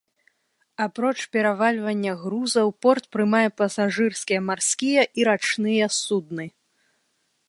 Апроч перавальвання грузаў порт прымае пасажырскія марскія і рачныя судны.